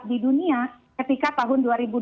di dunia ketika tahun dua ribu dua puluh